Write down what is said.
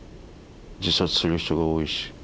自殺する人が多いし。